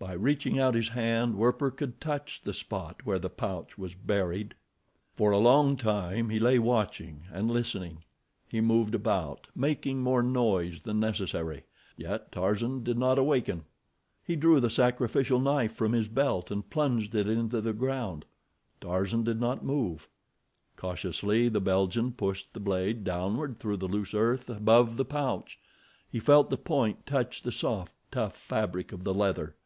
By reaching out his hand Werper could touch the spot where the pouch was buried. For a long time he lay watching and listening. He moved about, making more noise than necessary, yet Tarzan did not awaken. He drew the sacrificial knife from his belt, and plunged it into the ground. Tarzan did not move. Cautiously the Belgian pushed the blade downward through the loose earth above the pouch. He felt the point touch the soft, tough fabric of the leather.